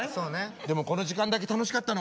でもこの時間だけ楽しかったの。